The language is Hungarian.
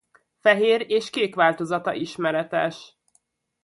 Fehér és kék változata ismeretes.